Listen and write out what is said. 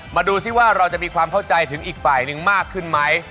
มาดูซิว่าเราจะมีความเข้าใจถึงอีกฝ่ายหนึ่งมากขึ้นไหม